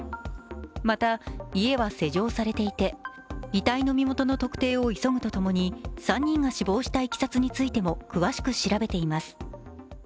また家は施錠されていて遺体の身元の特定を急ぐとともに３人が死亡したいきさつについても詳しく調べています。